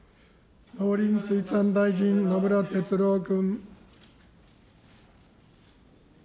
農林水産大臣、野村哲郎君。